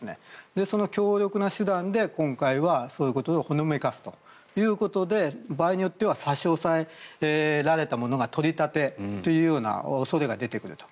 その強力な手段で今回はそういうことをほのめかすということで場合によっては差し押さえられたものが取り立てというような恐れが出てくると。